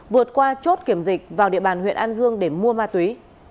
vượt qua chốt kiểm dịch vào địa bàn huyện an dương để mua ma túy